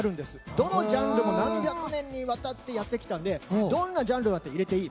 どのジャンルも何百年にわたってやってきたのでどんなジャンルも入れていい。